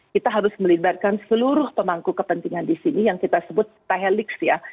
kita harus melibatkan seluruh pemangku kepentingan di sini yang kita sebut tahelix ya